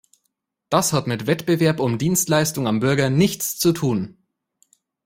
Das hat mit Wettbewerb um Dienstleistung am Bürger nichts zu tun!